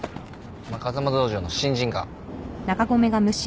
お前風間道場の新人か？